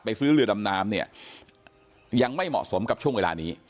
ซื้อเรือดำน้ำเนี่ยยังไม่เหมาะสมกับช่วงเวลานี้